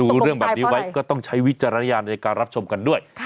ดูเรื่องแบบนี้ไว้ก็ต้องใช้วิจารณญาณในการรับชมกันด้วย